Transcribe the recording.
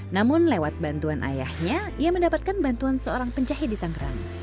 namun lewat bantuan ayahnya ia mendapatkan bantuan seorang penjahit di tangerang